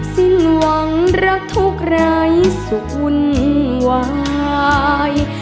สิ้นหวังรักทุกไร้สุขวุ่นวาย